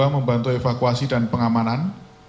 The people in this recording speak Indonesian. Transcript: membantu evakuasi dan pengamanan